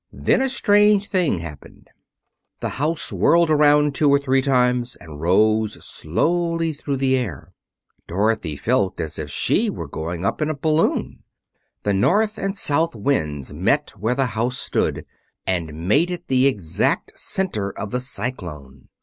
Then a strange thing happened. The house whirled around two or three times and rose slowly through the air. Dorothy felt as if she were going up in a balloon. The north and south winds met where the house stood, and made it the exact center of the cyclone.